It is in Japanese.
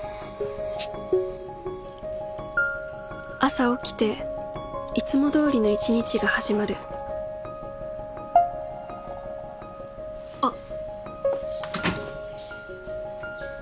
朝起きていつも通りの一日が始まるあっ。